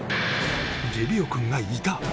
ゲビオ君がいた！